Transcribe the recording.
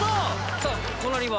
さぁ隣は？